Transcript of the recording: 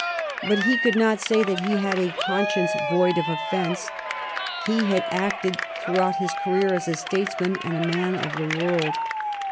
But he could not say that he had a conscience void of offence ; he had acted throu^out his career as a statesman and a man of the world.